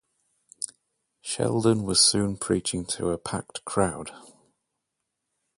Sheldon was soon preaching to a packed crowd.